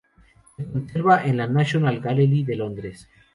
Se conserva en la National Gallery de Londres.